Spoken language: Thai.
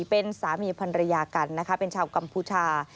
เป็นสามีพันรยากันนะคะเป็นชาวกัมพูชา